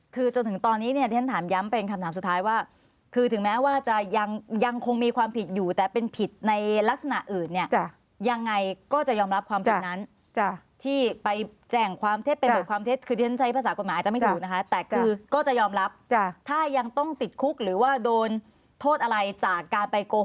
คือจนถึงตอนนี้เนี่ยที่ฉันถามย้ำเป็นคำถามสุดท้ายว่าคือถึงแม้ว่าจะยังคงมีความผิดอยู่แต่เป็นผิดในลักษณะอื่นเนี่ยยังไงก็จะยอมรับความเป็นนั้นที่ไปแจ้งความเท็จเป็นบทความเท็จคือที่ฉันใช้ภาษากฎหมายอาจจะไม่ถูกนะคะแต่คือก็จะยอมรับถ้ายังต้องติดคุกหรือว่าโดนโทษอะไรจากการไปโกห